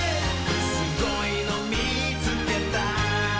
「すごいのみつけた」